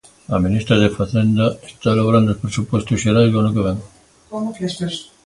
A Ministra de Facenda está elaborando os presupostos xerais do ano que vén.